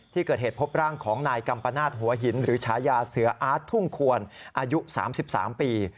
ที่เกิดเหตุพบร่างของนายกัมปนาศหัวหินหรือฉายาเสืออาร์ตทุ่งควรอายุ๓๓ปี